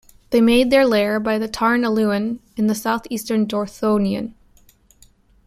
They made their lair by the Tarn Aeluin in south-eastern Dorthonion.